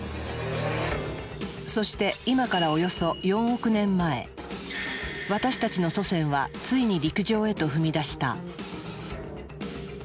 そして今からおよそ４億年前私たちの祖先はついに陸上へと踏み出した。